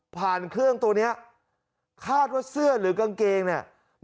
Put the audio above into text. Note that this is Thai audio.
เครื่องตัวนี้คาดว่าเสื้อหรือกางเกงเนี่ย